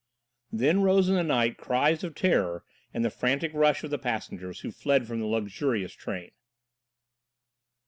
Then rose in the night cries of terror and the frantic rush of the passengers who fled from the luxurious train.